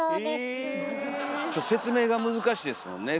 ちょっと説明が難しいですもんね。